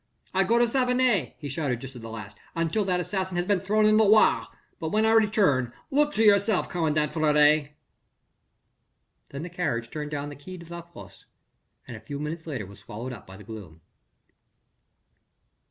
"I go to Savenay," he shouted just at the last, "until that assassin has been thrown in the Loire. But when I return ... look to yourself commandant Fleury." Then the carriage turned down the Quai de la Fosse and a few minutes later was swallowed up by the gloom.